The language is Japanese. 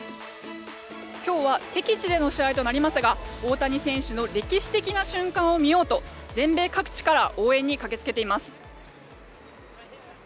今日は敵地での試合となりますが大谷選手の歴史的な瞬間を見ようと全米各地から応援に駆けつけています。